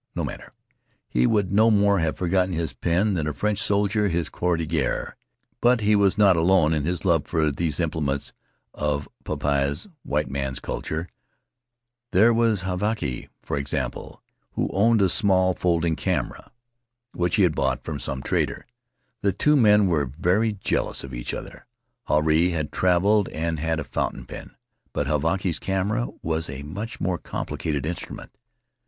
No matter. He would no more have forgotten his pen than a French soldier his Croix de guerre. But he was not alone in his love for these implements of the popaa's (white man's) culture. There was Havaiki, for example, who owned a small [ 167] Faery Lands of the South Seas folding camera which he had bought from some trader. The two men were very jealous of each other. Huirai had traveled and had a fountain pen, but Havaiki's camera was a much more complicated instrument.